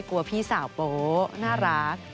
กลัวพี่สาวโป๊ะน่ารัก